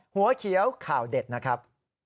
หัวเขียวข่าวเด็ดนะครับ